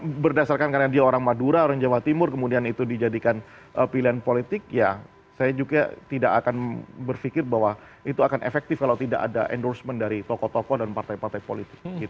kalau berdasarkan karena dia orang madura orang jawa timur kemudian itu dijadikan pilihan politik ya saya juga tidak akan berpikir bahwa itu akan efektif kalau tidak ada endorsement dari tokoh tokoh dan partai partai politik